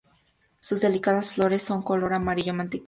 Sus delicadas flores de color amarillo mantequilla.